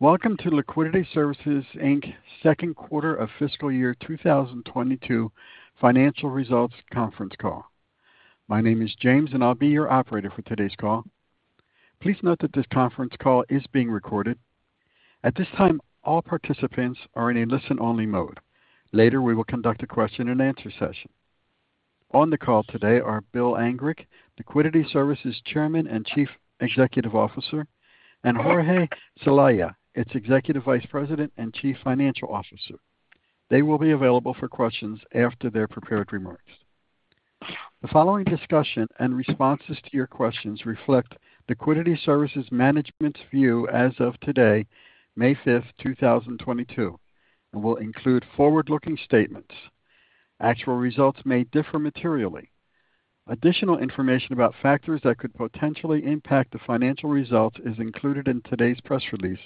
Welcome to Liquidity Services, Inc's Q2 of fiscal year 2022 financial results conference call. My name is James, and I'll be your operator for today's call. Please note that this conference call is being recorded. At this time, all participants are in a listen-only mode. Later, we will conduct a question-and-answer session. On the call today are Bill Angrick, Liquidity Services Chairman and Chief Executive Officer, and Jorge Celaya, its Executive Vice President and Chief Financial Officer. They will be available for questions after their prepared remarks. The following discussion and responses to your questions reflect Liquidity Services management's view as of today, May 5, 2022, and will include forward-looking statements. Actual results may differ materially. Additional information about factors that could potentially impact the financial results is included in today's press release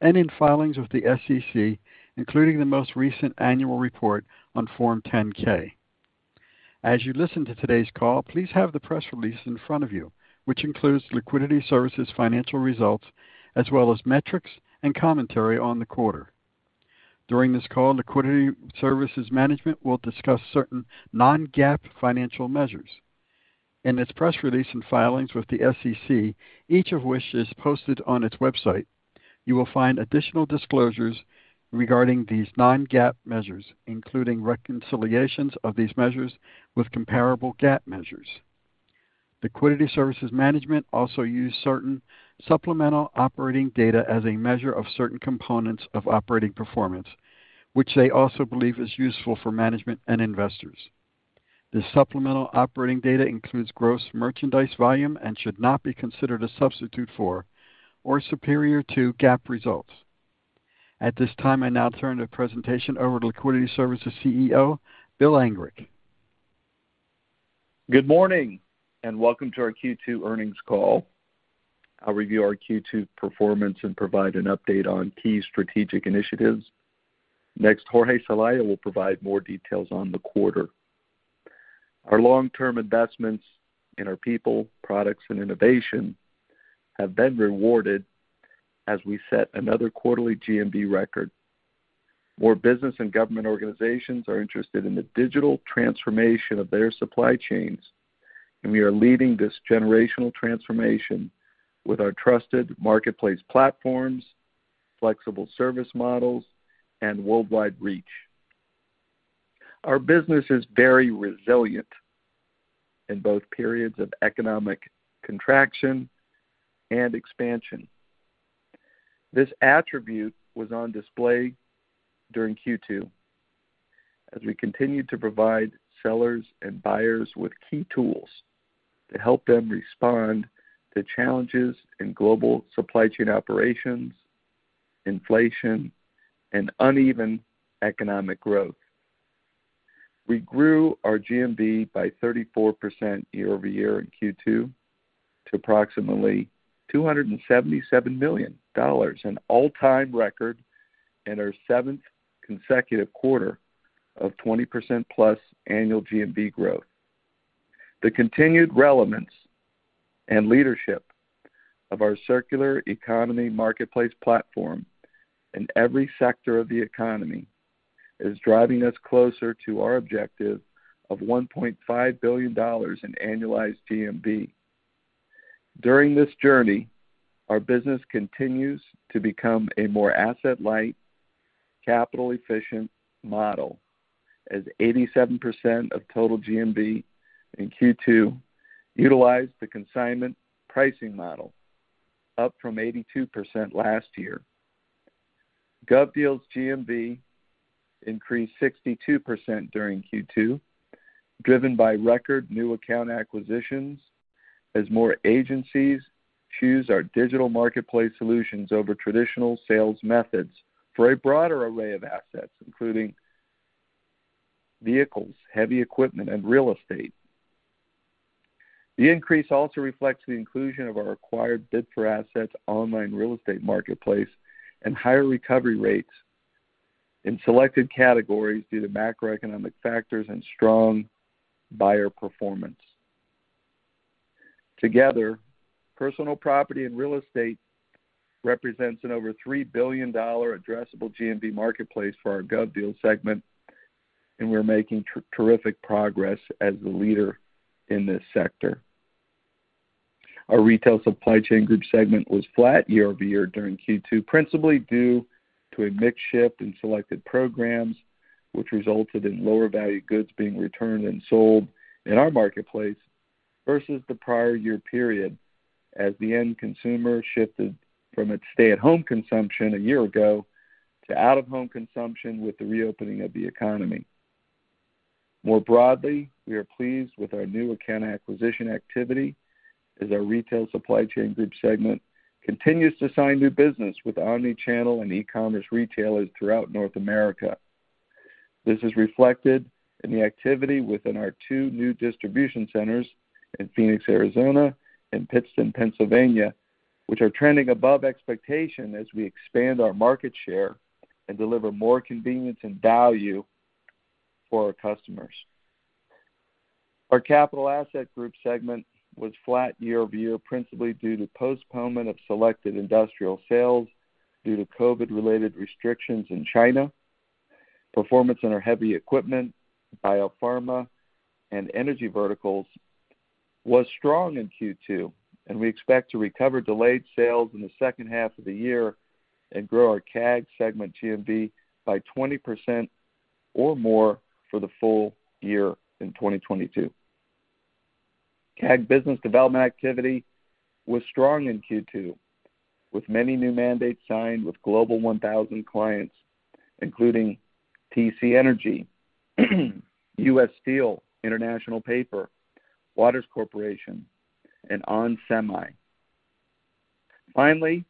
and in filings with the SEC, including the most recent annual report on Form 10-K. As you listen to today's call, please have the press release in front of you, which includes Liquidity Services financial results, as well as metrics and commentary on the quarter. During this call, Liquidity Services management will discuss certain non-GAAP financial measures. In its press release and filings with the SEC, each of which is posted on its website, you will find additional disclosures regarding these non-GAAP measures, including reconciliations of these measures with comparable GAAP measures. Liquidity Services management also use certain supplemental operating data as a measure of certain components of operating performance, which they also believe is useful for management and investors. This supplemental operating data includes gross merchandise volume and should not be considered a substitute for or superior to GAAP results. At this time, I now turn the presentation over to Liquidity Services CEO, Bill Angrick. Good morning and welcome to our Q2 earnings call. I'll review our Q2 performance and provide an update on key strategic initiatives. Next, Jorge Celaya will provide more details on the quarter. Our long-term investments in our people, products, and innovation have been rewarded as we set another quarterly GMV record. More business and government organizations are interested in the digital transformation of their supply chains, and we are leading this generational transformation with our trusted marketplace platforms, flexible service models, and worldwide reach. Our business is very resilient in both periods of economic contraction and expansion. This attribute was on display during Q2 as we continued to provide sellers and buyers with key tools to help them respond to challenges in global supply chain operations, inflation, and uneven economic growth. We grew our GMV by 34% year-over-year in Q2 to approximately $277 million, an all-time record and our seventh consecutive quarter of 20%+ annual GMV growth. The continued relevance and leadership of our circular economy marketplace platform in every sector of the economy is driving us closer to our objective of $1.5 billion in annualized GMV. During this journey, our business continues to become a more asset-light, capital-efficient model as 87% of total GMV in Q2 utilized the consignment pricing model, up from 82% last year. GovDeals GMV increased 62% during Q2, driven by record new account acquisitions as more agencies choose our digital marketplace solutions over traditional sales methods for a broader array of assets, including vehicles, heavy equipment, and real estate. The increase also reflects the inclusion of our acquired Bid4Assets online real estate marketplace and higher recovery rates in selected categories due to macroeconomic factors and strong buyer performance. Together, personal property and real estate represents an over $3 billion addressable GMV marketplace for our GovDeals segment, and we're making terrific progress as the leader in this sector. Our Retail Supply Chain Group segment was flat year-over-year during Q2, principally due to a mix shift in selected programs, which resulted in lower value goods being returned and sold in our marketplace versus the prior year period as the end consumer shifted from its stay-at-home consumption a year ago to out-of-home consumption with the reopening of the economy. More broadly, we are pleased with our new account acquisition activity as our Retail Supply Chain Group segment continues to sign new business with omni-channel and e-commerce retailers throughout North America. This is reflected in the activity within our two new distribution centers in Phoenix, Arizona, and Pittston, Pennsylvania, which are trending above expectation as we expand our market share and deliver more convenience and value for our customers. Our Capital Asset Group segment was flat year-over-year, principally due to postponement of selected industrial sales due to COVID-related restrictions in China. Performance in our heavy equipment, biopharma, and energy verticals was strong in Q2, and we expect to recover delayed sales in the H2 of the year and grow our CAG segment GMV by 20% or more for the full year in 2022. CAG business development activity was strong in Q2, with many new mandates signed with Global 1000 clients, including TC Energy, U.S. Steel, International Paper, Waters Corporation, and onsemi. Finally,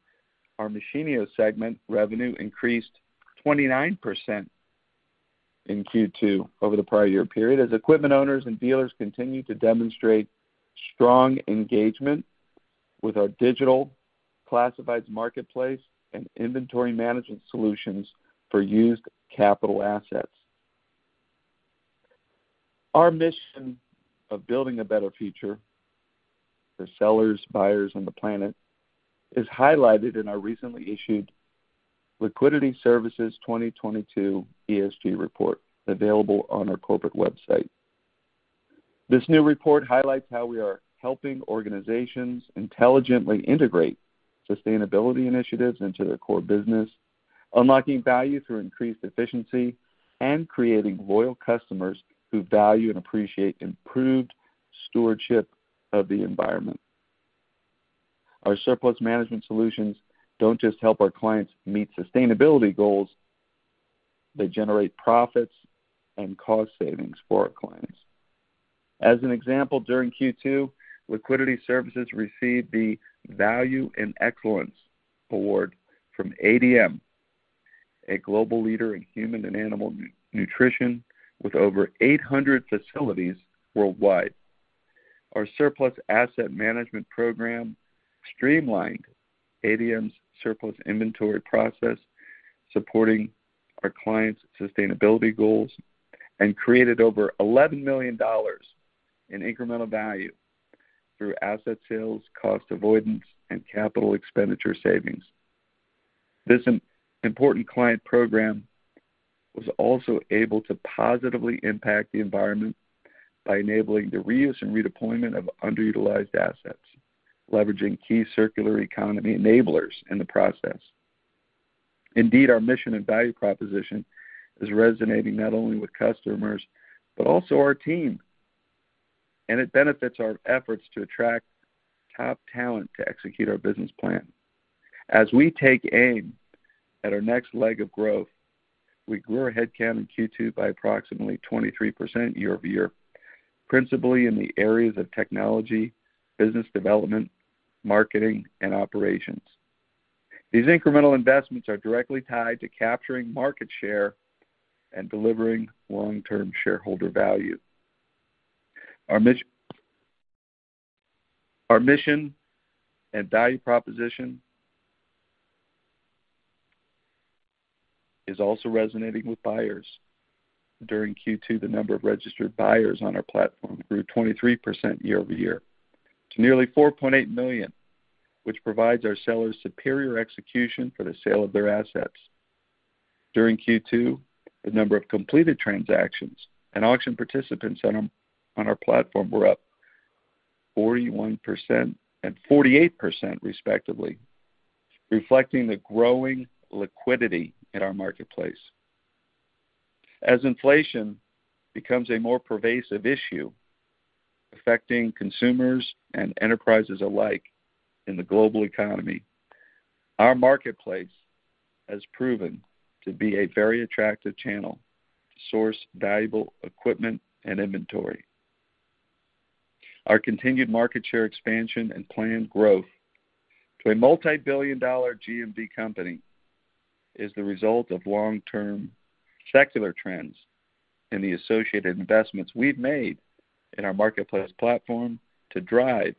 our Machinio segment revenue increased 29% in Q2 over the prior year period, as equipment owners and dealers continued to demonstrate strong engagement with our digital classifieds marketplace and inventory management solutions for used capital assets. Our mission of building a better future for sellers, buyers, and the planet is highlighted in our recently issued Liquidity Services 2022 ESG report, available on our corporate website. This new report highlights how we are helping organizations intelligently integrate sustainability initiatives into their core business, unlocking value through increased efficiency, and creating loyal customers who value and appreciate improved stewardship of the environment. Our surplus management solutions don't just help our clients meet sustainability goals, they generate profits and cost savings for our clients. As an example, during Q2, Liquidity Services received the Value in Excellence award from ADM, a global leader in human and animal nutrition with over 800 facilities worldwide. Our surplus asset management program streamlined ADM's surplus inventory process, supporting our clients' sustainability goals, and created over $11 million in incremental value through asset sales, cost avoidance, and capital expenditure savings. This important client program was also able to positively impact the environment by enabling the reuse and redeployment of underutilized assets, leveraging key circular economy enablers in the process. Indeed, our mission and value proposition is resonating not only with customers, but also our team, and it benefits our efforts to attract top talent to execute our business plan. As we take aim at our next leg of growth, we grew our headcount in Q2 by approximately 23% year-over-year, principally in the areas of technology, business development, marketing, and operations. These incremental investments are directly tied to capturing market share and delivering long-term shareholder value. Our mission and value proposition is also resonating with buyers. During Q2, the number of registered buyers on our platform grew 23% year-over-year to nearly 4.8 million, which provides our sellers superior execution for the sale of their assets. During Q2, the number of completed transactions and auction participants on our platform were up 41% and 48% respectively, reflecting the growing liquidity in our marketplace. As inflation becomes a more pervasive issue affecting consumers and enterprises alike in the global economy, our marketplace has proven to be a very attractive channel to source valuable equipment and inventory. Our continued market share expansion and planned growth to a multi-billion dollar GMV company is the result of long-term secular trends and the associated investments we've made in our marketplace platform to drive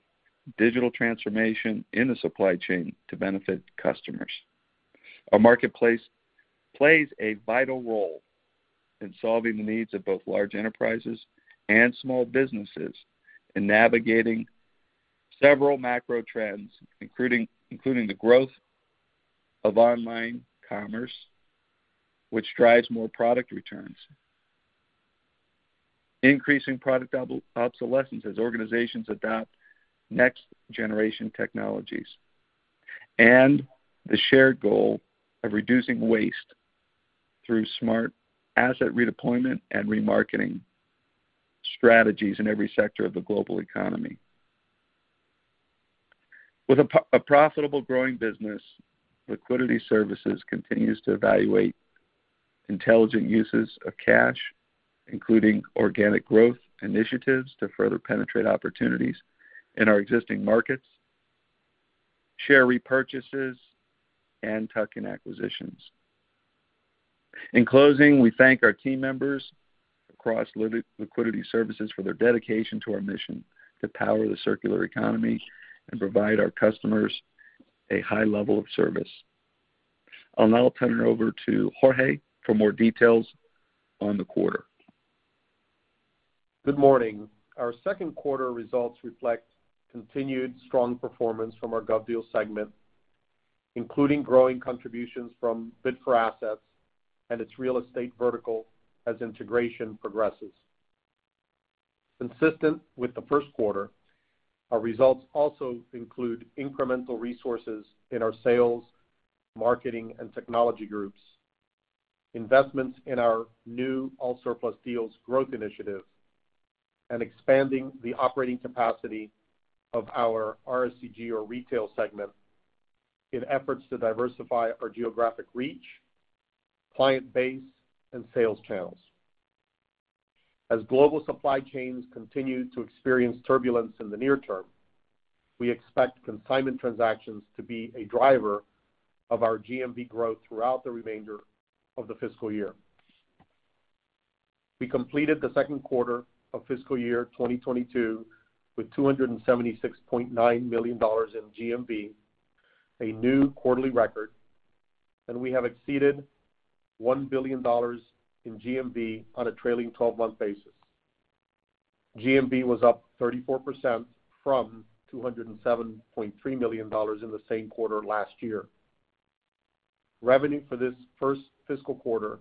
digital transformation in the supply chain to benefit customers. Our marketplace plays a vital role in solving the needs of both large enterprises and small businesses in navigating several macro trends, including the growth of online commerce, which drives more product returns, increasing product obsolescence as organizations adopt next generation technologies, and the shared goal of reducing waste through smart asset redeployment and remarketing strategies in every sector of the global economy. With a profitable growing business, Liquidity Services continues to evaluate intelligent uses of cash, including organic growth initiatives to further penetrate opportunities in our existing markets, share repurchases, and tuck-in acquisitions. In closing, we thank our team members across Liquidity Services for their dedication to our mission to power the circular economy and provide our customers a high level of service. I'll now turn it over to Jorge for more details on the quarter. Good morning. Our Q2 results reflect continued strong performance from our GovDeals segment, including growing contributions from Bid4Assets and its real estate vertical as integration progresses. Consistent with the Q1, our results also include incremental resources in our sales, marketing, and technology groups, investments in our new AllSurplus Deals growth initiatives, and expanding the operating capacity of our RSCG or retail segment in efforts to diversify our geographic reach, client base, and sales channels. As global supply chains continue to experience turbulence in the near term, we expect consignment transactions to be a driver of our GMV growth throughout the remainder of the fiscal year. We completed the Q2 of fiscal year 2022 with $276.9 million in GMV, a new quarterly record, and we have exceeded $1 billion in GMV on a trailing 12-month basis. GMV was up 34% from $207.3 million in the same quarter last year. Revenue for this first fiscal quarter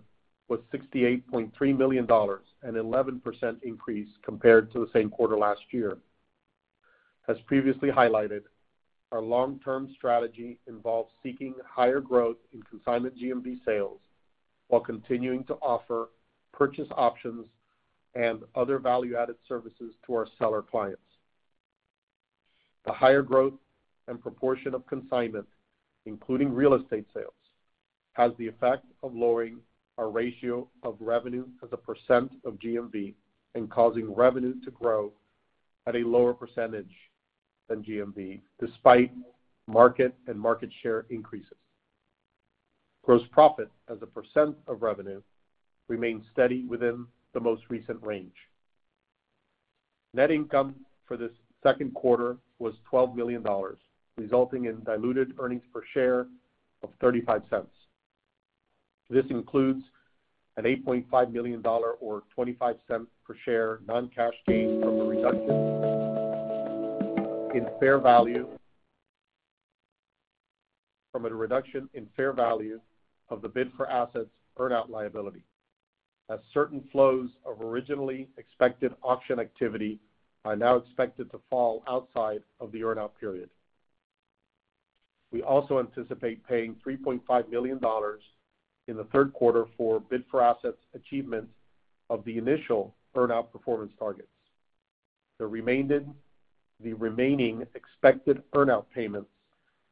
was $68.3 million, an 11% increase compared to the same quarter last year. As previously highlighted, our long-term strategy involves seeking higher growth in consignment GMV sales while continuing to offer purchase options and other value-added services to our seller clients. The higher growth and proportion of consignment, including real estate sales, has the effect of lowering our ratio of revenue as a percent of GMV and causing revenue to grow at a lower percentage than GMV despite market and market share increases. Gross profit as a percent of revenue remains steady within the most recent range. Net income for this Q2 was $12 million, resulting in diluted earnings per share of $0.35. This includes an $8.5 million or $0.25 per share non-cash gain from the reduction in fair value of the Bid4Assets earn out liability as certain flows of originally expected auction activity are now expected to fall outside of the earn out period. We also anticipate paying $3.5 million in the Q3 for Bid4Assets achievements of the initial earn out performance targets. The remaining expected earn out payments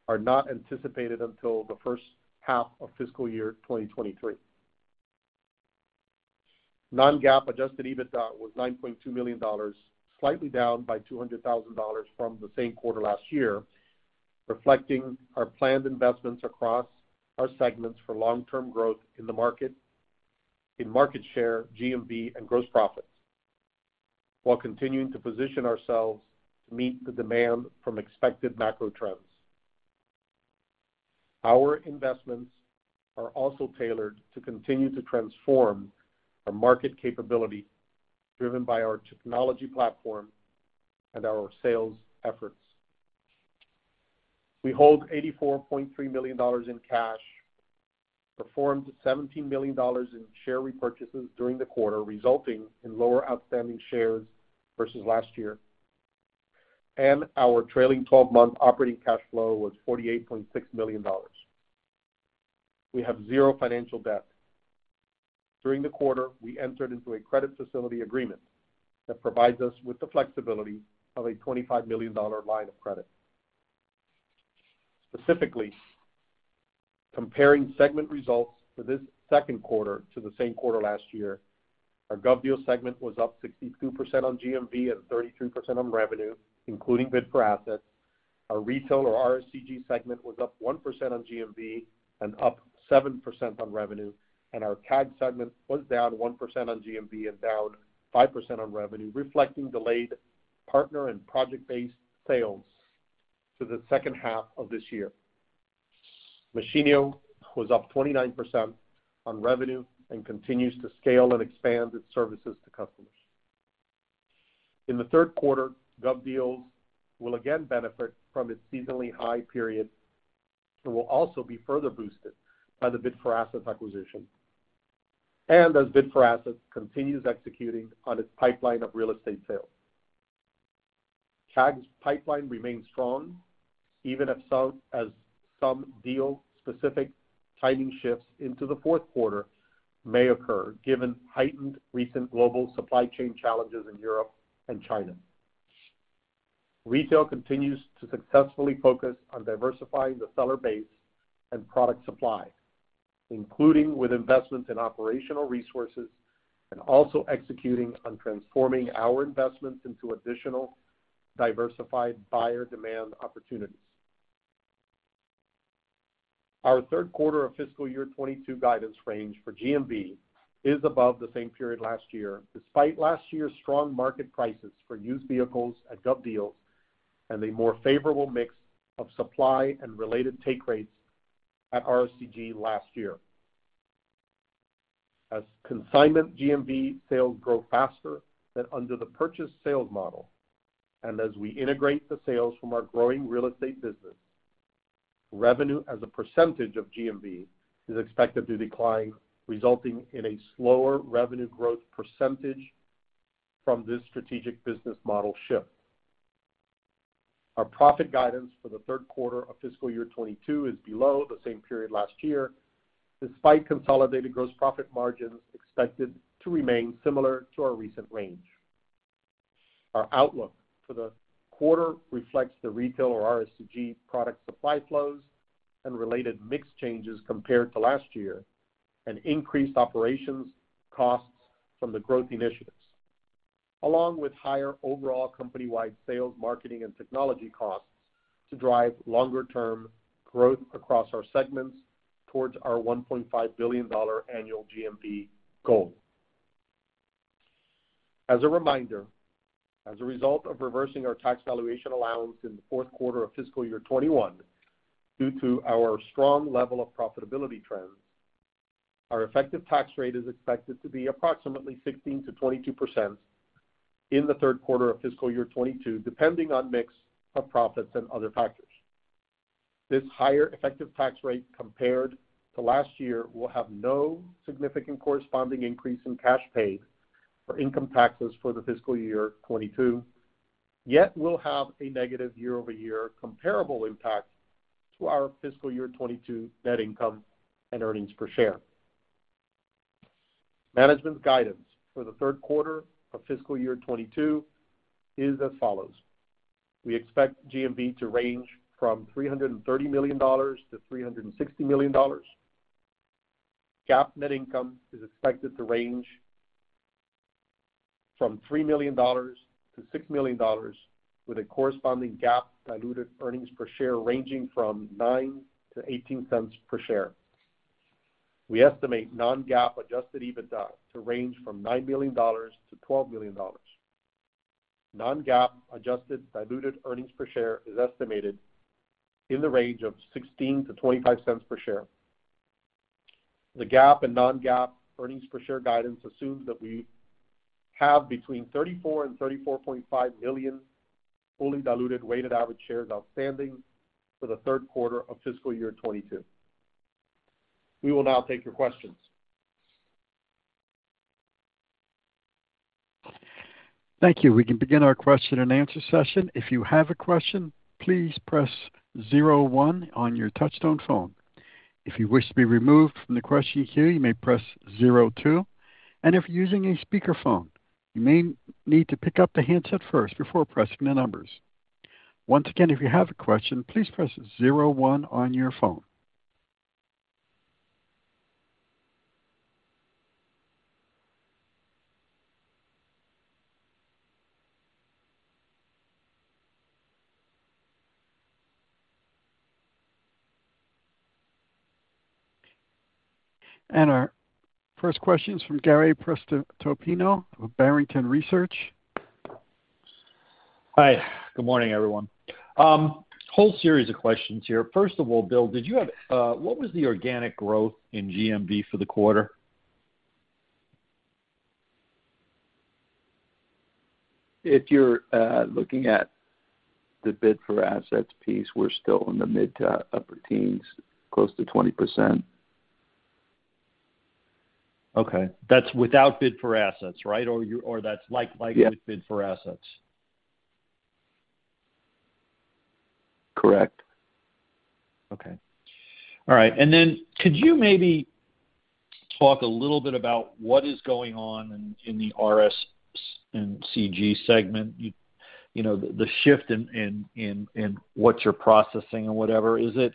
are not anticipated until the H1 of fiscal year 2023. Non-GAAP adjusted EBITDA was $9.2 million, slightly down by $200 thousand from the same quarter last year, reflecting our planned investments across our segments for long-term growth in market share, GMV, and gross profits, while continuing to position ourselves to meet the demand from expected macro trends. Our investments are also tailored to continue to transform our market capability driven by our technology platform and our sales efforts. We hold $84.3 million in cash, performed $17 million in share repurchases during the quarter, resulting in lower outstanding shares versus last year, and our trailing 12-month operating cash flow was $48.6 million. We have zero financial debt. During the quarter, we entered into a credit facility agreement that provides us with the flexibility of a $25 million line of credit. Specifically, comparing segment results for this Q2 to the same quarter last year, our GovDeals segment was up 62% on GMV and 32% on revenue, including Bid4Assets. Our retail or RSCG segment was up 1% on GMV and up 7% on revenue, and our CAG segment was down 1% on GMV and down 5% on revenue, reflecting delayed partner and project-based sales to the H2 of this year. Machinio was up 29% on revenue and continues to scale and expand its services to customers. In the Q3, GovDeals will again benefit from its seasonally high period and will also be further boosted by the Bid4Assets acquisition, and as Bid4Assets continues executing on its pipeline of real estate sales. CAG's pipeline remains strong, even if some deal-specific timing shifts into the Q4 may occur given heightened recent global supply chain challenges in Europe and China. Retail continues to successfully focus on diversifying the seller base and product supply, including with investments in operational resources and also executing on transforming our investments into additional diversified buyer demand opportunities. Our Q3 of fiscal year 2022 guidance range for GMV is above the same period last year, despite last year's strong market prices for used vehicles at GovDeals and a more favorable mix of supply and related take rates at RSCG last year. As consignment GMV sales grow faster than under the purchase sales model, and as we integrate the sales from our growing real estate business, revenue as a percentage of GMV is expected to decline, resulting in a slower revenue growth percentage from this strategic business model shift. Our profit guidance for the Q3 of fiscal year 2022 is below the same period last year, despite consolidated gross profit margins expected to remain similar to our recent range. Our outlook for the quarter reflects the retail or RSCG product supply flows and related mix changes compared to last year, and increased operations costs from the growth initiatives, along with higher overall company-wide sales, marketing, and technology costs to drive longer-term growth across our segments towards our $1.5 billion annual GMV goal. As a reminder, as a result of reversing our tax valuation allowance in the Q4 of fiscal year 2021 due to our strong level of profitability trends, our effective tax rate is expected to be approximately 16%-22% in the Q3 of fiscal year 2022, depending on mix of profits and other factors. This higher effective tax rate compared to last year will have no significant corresponding increase in cash paid for income taxes for the fiscal year 2022, yet will have a negative year-over-year comparable impact to our fiscal year 2022 net income and earnings per share. Management's guidance for the Q3 of fiscal year 2022 is as follows. We expect GMV to range from $330 million to $360 million. GAAP net income is expected to range from $3 million to $6 million, with a corresponding GAAP diluted earnings per share ranging from $0.09 to $0.18 per share. We estimate non-GAAP adjusted EBITDA to range from $9 million to $12 million. Non-GAAP adjusted diluted earnings per share is estimated in the range of $0.16-$0.25 per share. The GAAP and non-GAAP earnings per share guidance assumes that we have between 34 and 34.5 million fully diluted weighted average shares outstanding for the Q3 of fiscal year 2022. We will now take your questions. Thank you. We can begin our question and answer session. If you have a question, please press zero one on your touchtone phone. If you wish to be removed from the question queue, you may press zero two. If you're using a speakerphone, you may need to pick up the handset first before pressing the numbers. Once again, if you have a question, please press zero one on your phone. Our first question is from Gary Prestopino of Barrington Research. Hi, good morning, everyone. Whole series of questions here. First of all, Bill, did you have, what was the organic growth in GMV for the quarter? If you're looking at the Bid4Assets piece, we're still in the mid- to upper teens, close to 20%. Okay. That's without Bid4Assets, right? Or that's like. Yes... With Bid4Assets. Correct. Okay. All right. Then could you maybe talk a little bit about what is going on in the RSCG segment, you know, the shift in what you're processing and whatever. Is it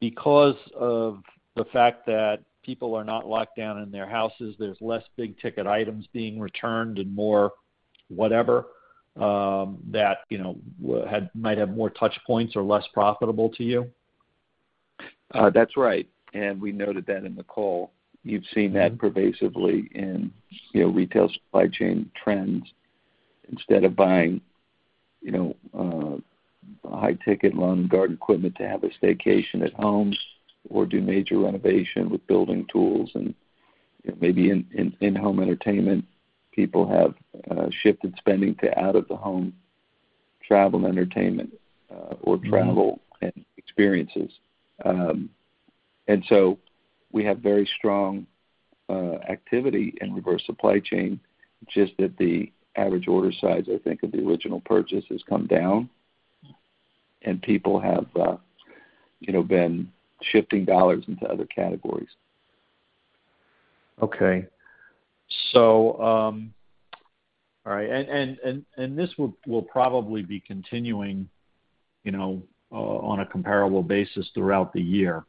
because of the fact that people are not locked down in their houses, there's less big-ticket items being returned and more whatever that you know might have more touch points or less profitable to you? That's right, and we noted that in the call. You've seen that pervasively in, you know, retail supply chain trends. Instead of buying, you know, high-ticket lawn and garden equipment to have a staycation at home or do major renovation with building tools and, you know, maybe in-home entertainment, people have shifted spending to out-of-the-home travel and entertainment or travel and experiences. We have very strong activity in reverse supply chain, just that the average order size, I think, of the original purchase has come down and people have, you know, been shifting dollars into other categories. Okay. All right. This will probably be continuing, you know, on a comparable basis throughout the year,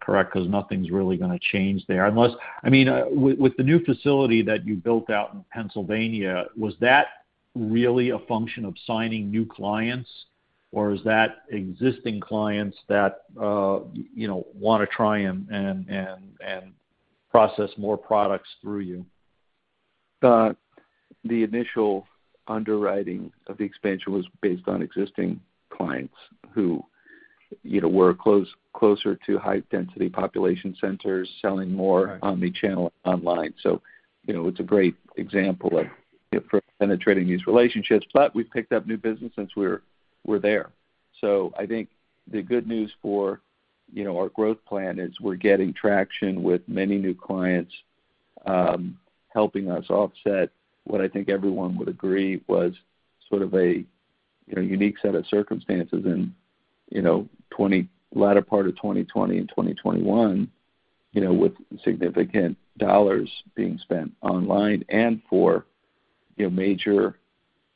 correct? 'Cause nothing's really gonna change there. Unless, I mean, with the new facility that you built out in Pennsylvania, was that really a function of signing new clients, or is that existing clients that, you know, wanna try and process more products through you? The initial underwriting of the expansion was based on existing clients who, you know, were closer to high density population centers selling more on the channel online. You know, it's a great example of penetrating these relationships. We've picked up new business since we're there. I think the good news for, you know, our growth plan is we're getting traction with many new clients, helping us offset what I think everyone would agree was sort of a, you know, unique set of circumstances in, you know, latter part of 2020 and 2021, you know, with significant dollars being spent online and for, you know, major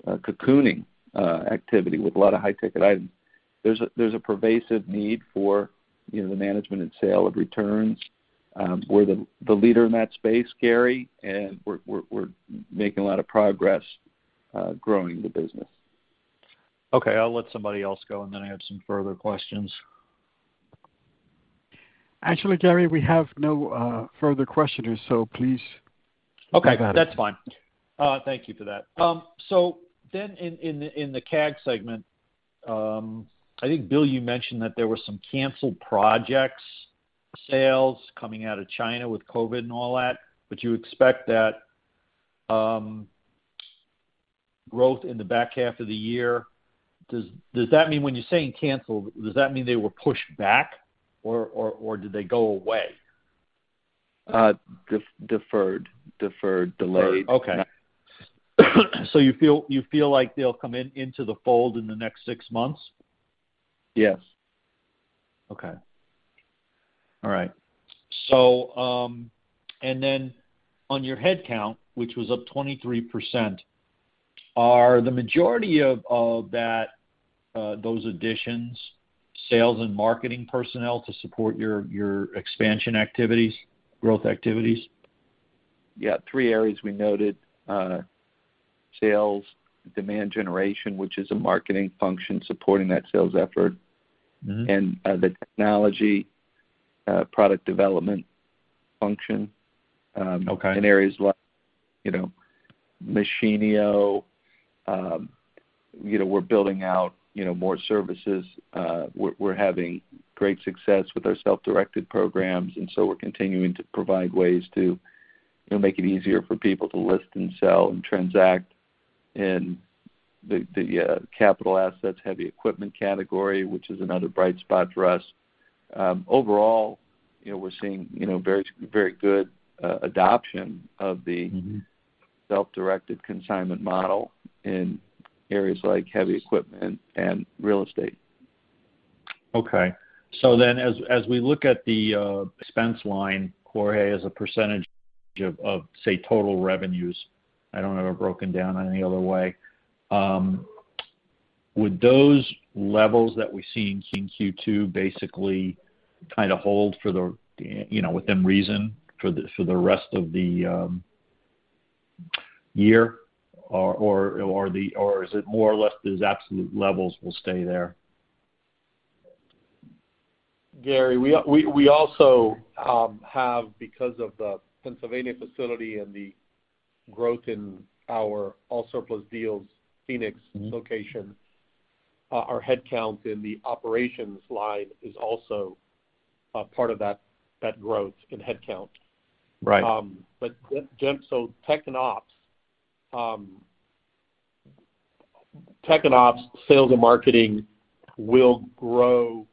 cocooning activity with a lot of high-ticket items. There's a pervasive need for, you know, the management and sale of returns. We're the leader in that space, Gary, and we're making a lot of progress growing the business. Okay. I'll let somebody else go, and then I have some further questions. Actually, Gary, we have no further questioners, so please go ahead. Okay. That's fine. Thank you for that. In the CAG segment, I think, Bill, you mentioned that there were some canceled projects sales coming out of China with COVID and all that, but you expect that growth in the back half of the year. Does that mean when you're saying canceled, does that mean they were pushed back or did they go away? Deferred, delayed. Okay. You feel like they'll come into the fold in the next six months? Yes. Okay. All right. And then on your headcount, which was up 23%, are the majority of that, those additions sales and marketing personnel to support your expansion activities, growth activities? Yeah. Three areas we noted, sales, demand generation, which is a marketing function supporting that sales effort. Mm-hmm. The technology, product development function. Okay. In areas like, you know, Machinio. You know, we're building out, you know, more services. We're having great success with our self-directed programs, and so we're continuing to provide ways to, you know, make it easier for people to list and sell and transact. The capital assets, heavy equipment category, which is another bright spot for us. Overall, you know, we're seeing, you know, very good adoption of the- Mm-hmm. Self-directed consignment model in areas like heavy equipment and real estate. Okay, as we look at the expense line, Jorge, as a percentage of, say, total revenues, I don't have it broken down any other way, would those levels that we see in Q2 basically kinda hold for the, you know, within reason for the rest of the year, or is it more or less those absolute levels will stay there? Gary, we also have, because of the Pennsylvania facility and the growth in our AllSurplus Deals Phoenix location, our headcount in the operations line is also part of that growth in headcount. Right. Tech and ops, sales and marketing will grow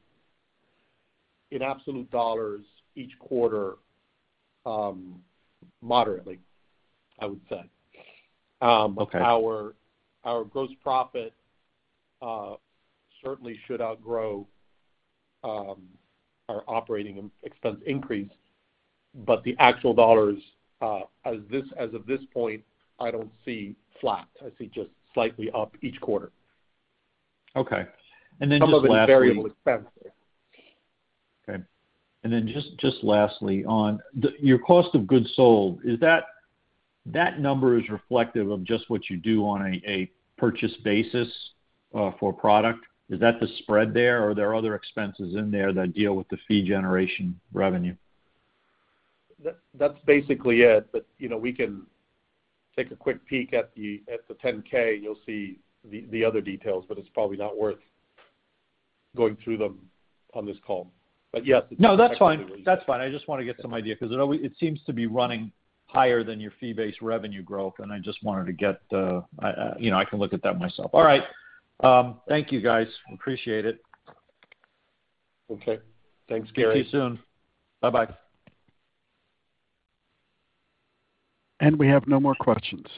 in absolute dollars each quarter, moderately, I would say. Okay. Our gross profit certainly should outgrow our operating expense increase. The actual dollars, as of this point, I don't see flat. I see just slightly up each quarter. Okay. Just lastly. Some of it is variable expense. Okay. Just lastly on your cost of goods sold, is that number reflective of just what you do on a purchase basis for product? Is that the spread there, or are there other expenses in there that deal with the fee generation revenue? That's basically it. You know, we can take a quick peek at the 10-K. You'll see the other details, but it's probably not worth going through them on this call. Yes. No, that's fine. That's fine. I just wanna get some idea because it always, it seems, to be running higher than your fee-based revenue growth, and I just wanted to get, you know, I can look at that myself. All right. Thank you guys. Appreciate it. Okay. Thanks, Gary. Thank you soon. Bye-bye. We have no more questions.